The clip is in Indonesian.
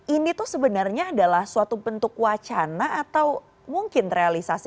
ini tuh sebenarnya adalah suatu bentuk wacana atau mungkin realisasi